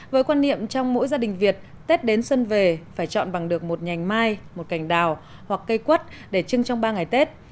với quan niệm trong mỗi gia đình việt tết đến xuân về phải chọn bằng được một nhành mai một cành đào hoặc cây quất để trưng trong ba ngày tết